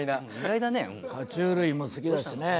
は虫類も好きだしね。